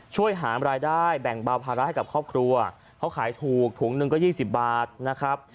ช่วยหารายได้แบ่งเบาภาระให้กับครอบครัวเขาขายถูกถุงหนึ่งก็๒๐บาทนะครับ